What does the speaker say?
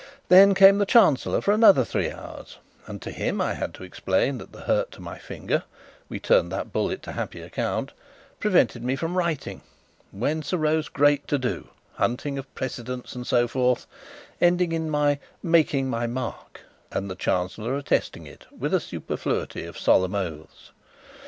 Then came the Chancellor, for another three hours; and to him I had to explain that the hurt to my finger (we turned that bullet to happy account) prevented me from writing whence arose great to do, hunting of precedents and so forth, ending in my "making my mark," and the Chancellor attesting it with a superfluity of solemn oaths.